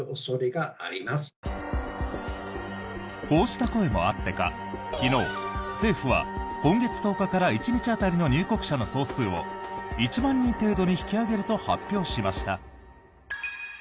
こうした声もあってか昨日、政府は今月１０日から１日当たりの入国者の総数を１万人程度に引き上げると発表しました。